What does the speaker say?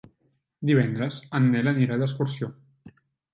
Divendres en Nel anirà d'excursió.